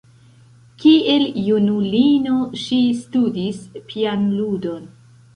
Kiel junulino ŝi studis pianludon.